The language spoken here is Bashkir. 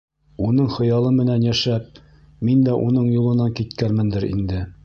Уның хыялы менән йәшәп, мин дә уның юлынан киткәнмендер инде.